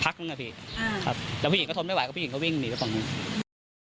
พักครับพี่แต่พี่หญิงก็ทนไม่ไหวก็พี่หญิงก็วิ่งหนีแฟลงเครือ